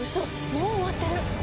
もう終わってる！